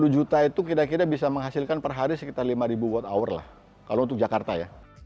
dua puluh juta itu kira kira bisa menghasilkan per hari sekitar lima ribu watt hour lah kalau untuk jakarta ya